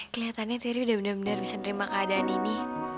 keliatannya terry udah bener bener bisa nerima keadaan ini